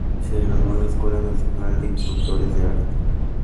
Se graduó en la Escuela Nacional de Instructores de Arte.